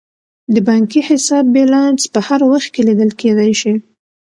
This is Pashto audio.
د بانکي حساب بیلانس په هر وخت کې لیدل کیدی شي.